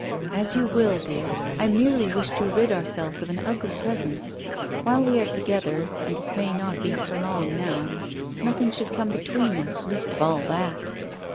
"As you will, dear; I merely wished to rid ourselves of an ugly presence. While we are together and it may not be for long now nothing should come between us, least of all that."